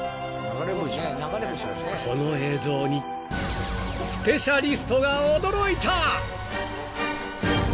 ［この映像にスペシャリストが驚いた！］